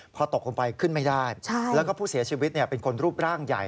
พอตกลงไปขึ้นไม่ได้แล้วก็ผู้เสียชีวิตเป็นคนรูปร่างใหญ่